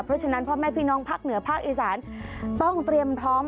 เพราะฉะนั้นพ่อแม่พี่น้องภาคเหนือภาคอีสานต้องเตรียมพร้อม